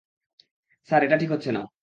Sir, এটা ঠিক হচ্ছে না।